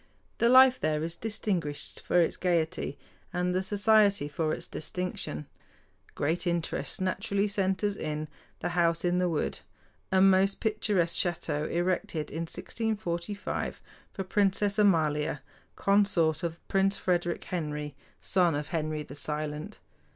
The life there is distinguished for its gaiety, and the society for its distinction. Great interest naturally centers in "The House in the Wood," a most picturesque château erected in 1645 for Princess Amalia, consort of Prince Frederick Henry, son of Henry the Silent.